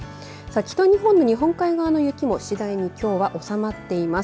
北日本の日本海側の雪も次第にきょうは収まっています。